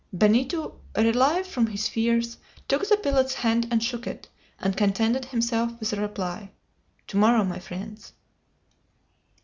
Benito, relieved from his fears, took the pilot's hand and shook it, and contented himself with the reply, "To morrow, my friends!"